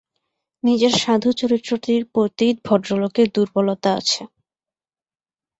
নিজের সাধু-চরিত্রটির প্রতি ভদ্রলোকের দুর্বলতা আছে।